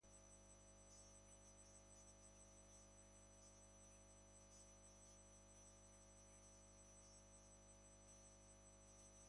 Nazioarteko hedabideak kudeatzen dituen erakundeak sakelekoetara debeku mezu hori bidali die.